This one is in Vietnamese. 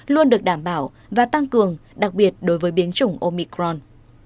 luôn được đảm bảo và tăng cường đặc biệt đối với biến chủng omicron